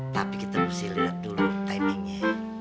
tapi kita mesti lihat dulu timingnya